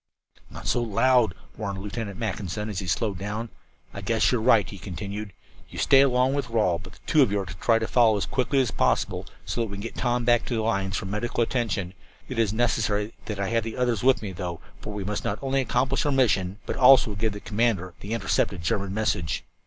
"Not so loud," warned Lieutenant Mackinson, as he slowed down. "I guess you are right," he continued. "You stay along with Rawle, but the two of you try to follow as quickly as possible, so that we can get Tom back to the lines for medical attention. It is necessary that I have the others with me, though, for we must not only accomplish our mission, but also give the commander that intercepted German message."